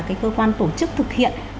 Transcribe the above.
cái cơ quan tổ chức thực hiện